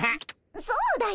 そうだよ。